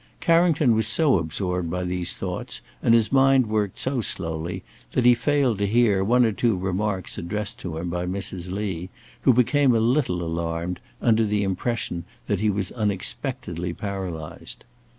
Carrington was so absorbed by these thoughts, and his mind worked so slowly, that he failed to hear one or two remarks addressed to him by Mrs. Lee, who became a little alarmed, under the impression that he was unexpectedly paralyzed.